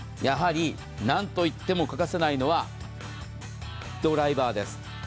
何といっても欠かせないのはドライバーです。